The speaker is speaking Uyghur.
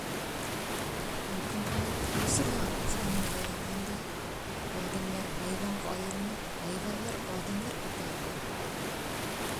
ھۆكۈمراننىڭ ئۆزىلا قانۇنغا ئايلانغاندا، ئادەملەر ھايۋانغا ئايلىنىپ، ھايۋانلار ئادەملەر قاتارىغا ئۆتىدۇ